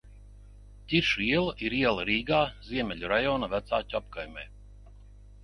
Ķīšu iela ir iela Rīgā, Ziemeļu rajona Vecāķu apkaimē.